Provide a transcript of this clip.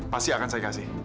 pasti akan saya kasih